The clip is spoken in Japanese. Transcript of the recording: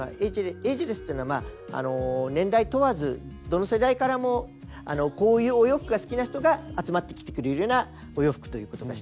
エイジレスっていうのは年代問わずどの世代からもこういうお洋服が好きな人が集まってきてくれるようなお洋服ということが１つ。